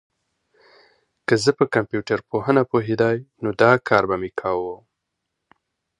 که زه په کمپيوټر پوهنه پوهېدای، نو دا کار به مي کاوه.